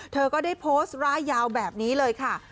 เธอก็ได้โพสต์ร่ายยาวแบบนี้เลยค่ะ